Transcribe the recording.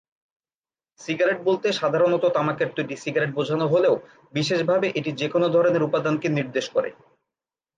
Cigarette বলতে সাধারণত তামাকের তৈরি সিগারেট বোঝানো হলেও বিশেষভাবে এটি যেকোন ধরনের উপাদানকে নির্দেশ করে।